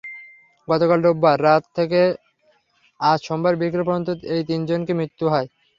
গতকাল রোববার রাত থেকে আজ সোমবার বিকেল পর্যন্ত এই তিনজনের মৃত্যু হয়।